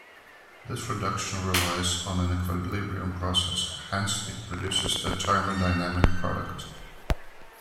This reduction relies on an equilibrium process, hence it produces the thermodynamic product.